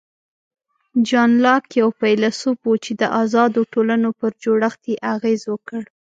جان لاک یو فیلسوف و چې د آزادو ټولنو پر جوړښت یې اغېز وکړ.